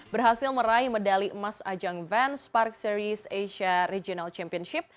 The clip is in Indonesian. berhasil meraih medali emas ajang vans park series asia regional championship